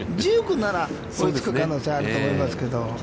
追いつく可能性があると思いますけど。